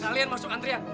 kalian masuk antrian